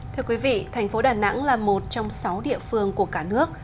thưa quý vị thành phố đà nẵng là một trong sáu địa phương của cả nước